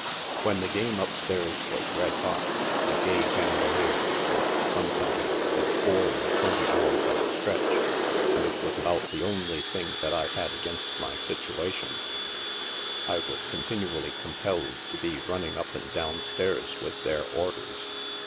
When the game up stairs was red hot, the gay gamboliers would sometimes set four and twenty hours at a stretch, and it was about the only thing that I had against my situation ; I wa3 continually compelled to be running up and down stairs with their orders.